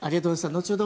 後ほど